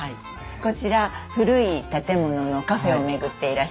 こちら古い建物のカフェを巡っていらっしゃる。